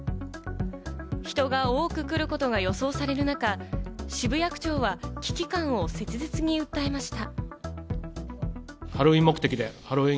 人が多く来ることが予想される中、渋谷区長は危機感を切実に訴えました。